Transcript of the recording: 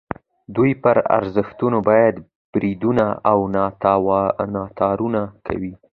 دوی پر ارزښتونو باندې بریدونه او ناتارونه کوي.